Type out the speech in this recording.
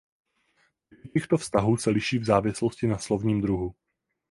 Typy těchto vztahů se liší v závislosti na slovním druhu.